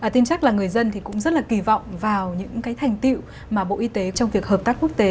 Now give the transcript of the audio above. tin chắc là người dân cũng rất là kỳ vọng vào những thành tiệu mà bộ y tế trong việc hợp tác quốc tế